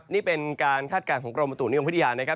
นี่เป็นการคาดการณ์ของกรมประตูในวงพิทยา